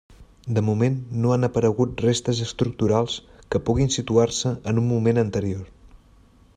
De moment no han aparegut restes estructurals que puguin situar-se en un moment anterior.